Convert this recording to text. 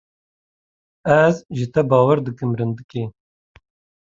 Ez ji te bawer dikim rindikê.